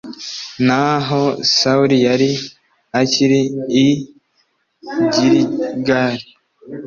naho sawuli yari akiri i giligali